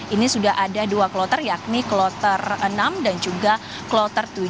ini sudah ada dua kloter yakni kloter enam dan juga kloter tujuh